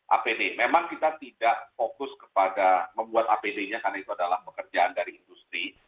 apd memang kita tidak fokus kepada membuat apd nya karena itu adalah pekerjaan dari industri